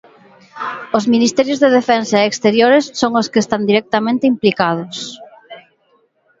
Os ministerios de Defensa e Exteriores son os que están directamente implicados.